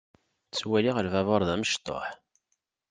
Ttwaliɣ lbabuṛ d amecṭuḥ.